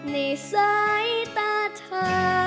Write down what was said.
ในสายตาเธอ